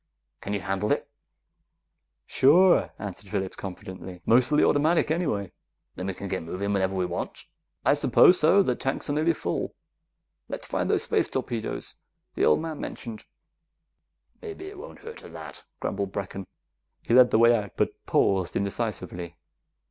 "Can you handle it?" "Sure," answered Phillips confidently. "Mostly automatic anyway." "Then we can get movin' whenever we want?" "I suppose so. The tanks are nearly full; let's find those space torpedoes the old man mentioned." "Maybe it won't hurt, at that," grumbled Brecken. He led the way out, but paused indecisively.